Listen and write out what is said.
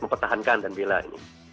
mempertahankan dan bela ini